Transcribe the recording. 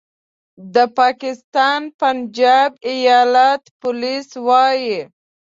د پاکستان پنجاب ایالت پولیس وايي